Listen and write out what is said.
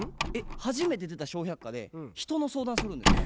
初めて出た「笑百科」で人の相談するんですか？